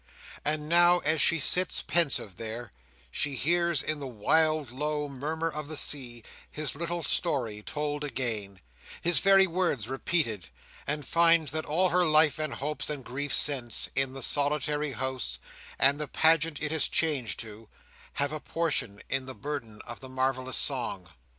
And now, as she sits pensive there, she hears in the wild low murmur of the sea, his little story told again, his very words repeated; and finds that all her life and hopes, and griefs, since—in the solitary house, and in the pageant it has changed to—have a portion in the burden of the marvellous song.